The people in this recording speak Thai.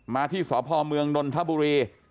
มาที่สพเมืองนนทบุรี